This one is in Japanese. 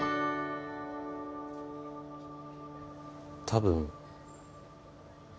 多分。